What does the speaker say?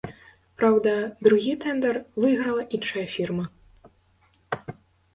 Праўда, другі тэндар выйграла іншая фірма.